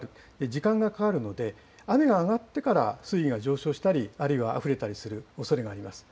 時間がかかるので雨が上がってから水位が上昇したり、あるいはあふれたりするおそれがあります。